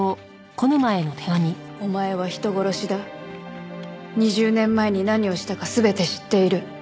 「お前は人殺しだ」「２０年前に何をしたか全て知っている」